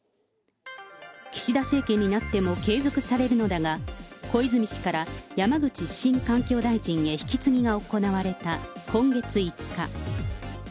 岸田政権になっても継続されるのだが、小泉氏から山口新環境大臣へ引き継ぎが行われた今月５日。